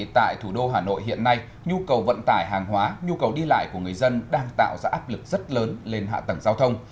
tại thủ đô hà nội hiện nay nhu cầu vận tải hàng hóa nhu cầu đi lại của người dân đang tạo ra áp lực rất lớn lên hạ tầng giao thông